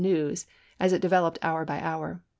news as it developed hour by hour.